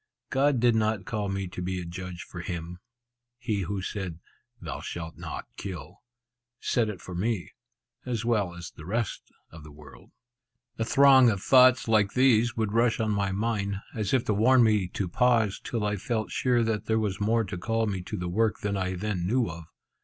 God did not call me to be a judge for Him. He who said, 'Thou shalt not kill,' said it for me, as well as the rest of the world." A throng of thoughts like these would rush on my mind, as if to warn me to pause, till I felt sure that there was more to call me to the work than I then knew of.